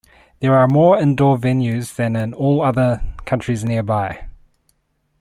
There are more indoor venues than in all other countries combined.